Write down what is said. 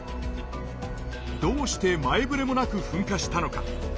どうして前ぶれもなく噴火したのか。